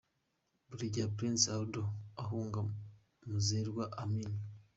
Buregeya Prince Aldo ahunga Muzerwa Amin .